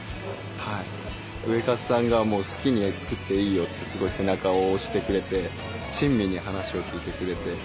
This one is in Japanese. ウエカツさんが好きに作っていいよってすごい背中を押してくれて親身に話を聞いてくれて。